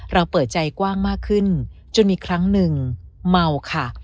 เปิดใจกว้างมากขึ้นจนมีครั้งหนึ่งเมาค่ะ